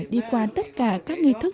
đi qua tất cả các nghi thức